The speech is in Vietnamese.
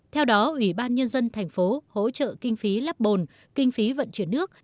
theo đó ủy ban nhân dân thành phố hỗ trợ kinh phí lắp bồn kinh phí vận chuyển nước